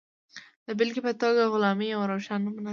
د بېلګې په توګه غلامي یوه روښانه نمونه ده.